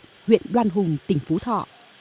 tại huyện đoan hùng tỉnh phú thọ